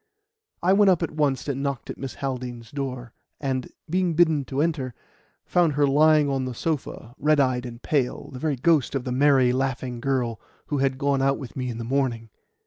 I went up at once and knocked at Miss Haldean's door, and, being bidden to enter, found her lying on the sofa, red eyed and pale, the very ghost of the merry, laughing girl who had gone out with me in the morning.